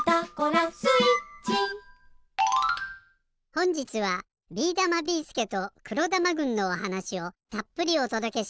ほんじつはビーだま・ビーすけと黒玉軍のおはなしをたっぷりおとどけします。